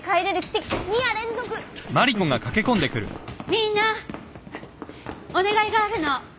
みんなお願いがあるの。